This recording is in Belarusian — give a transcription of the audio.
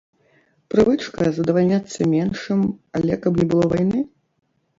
Прывычка задавальняцца меншым, але каб не было вайны?